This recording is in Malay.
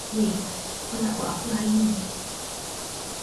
Wei kau nak buat apa hari ini.